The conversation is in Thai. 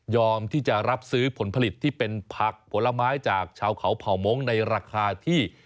ที่จะรับซื้อผลผลิตที่เป็นผักผลไม้จากชาวเขาเผ่าม้งในราคาที่